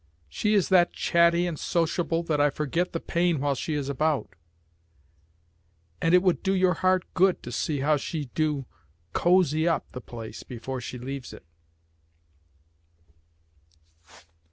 "She is that chatty and sociable that I forget the pain while she is about, and it would do your heart good to see how she do cozy up the place before she leaves it."